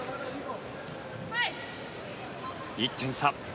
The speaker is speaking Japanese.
１点差。